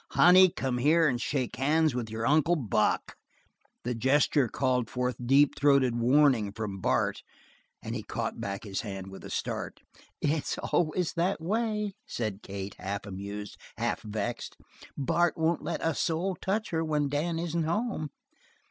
"Honey, come here and shake hands with your Uncle Buck." The gesture called forth deep throated warning from Bart, and he caught back his hand with a start. "It's always that way," said Kate, half amused, half vexed; "Bart won't let a soul touch her when Dan isn't home.